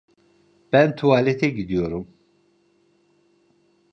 Ben tuvalete gidiyorum.